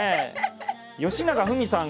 よしながふみさん